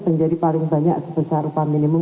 menjadi paling banyak sebesar upah minimum